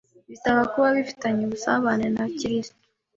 bisaba kuba afitanye ubusabane na Kirisitu,